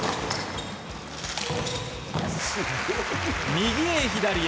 右へ左へ。